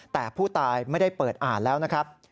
แต่ผู้ตายไม่ได้เปิดอ่านแล้วนะครับ